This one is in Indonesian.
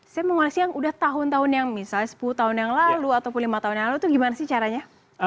saya menguasai yang udah tahun tahun yang misalnya sepuluh tahun yang lalu ataupun lima tahun yang lalu itu gimana sih caranya